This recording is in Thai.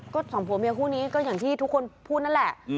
ก็สองผัวเมียคู่นี้ก็อย่างที่ทุกคนพูดนั่นแหละ